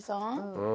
うん。